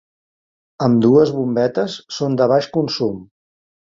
Ambdues bombetes són de baix consum.